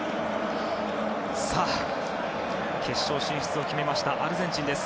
さあ、決勝進出を決めましたアルゼンチンです。